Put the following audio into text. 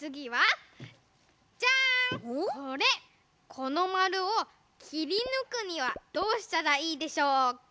このまるをきりぬくにはどうしたらいいでしょうか？